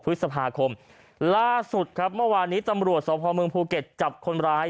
พฤษภาคมล่าสุดครับเมื่อวานนี้ตำรวจสพเมืองภูเก็ตจับคนร้าย